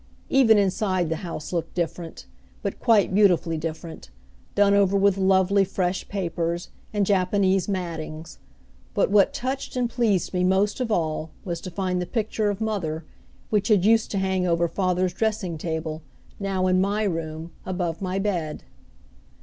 Even inside the house looked different, but quite beautifully different, done over with lovely, fresh papers, and Japanese mattings; but what touched and pleased me most of all was to find the picture of mother, which had used to hang over father's dressing table, now in my room, above my bed.